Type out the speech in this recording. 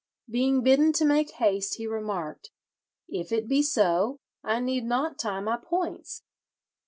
Being bidden to make haste, he remarked: "If it be so, I need not tie my points."